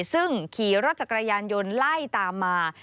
ซึ่งขี่รถจักรยานยนต์ไล่ตามมา